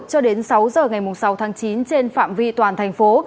cho đến sáu giờ ngày sáu tháng chín trên phạm vi toàn thành phố